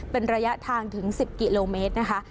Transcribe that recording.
เป็นระยะทางถึง๑๐กิโลเมตรนะคะ